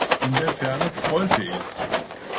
In der Ferne grollte es.